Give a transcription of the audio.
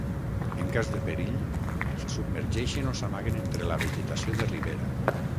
En cas de perill, se submergeixen o s'amaguen entre la vegetació de ribera.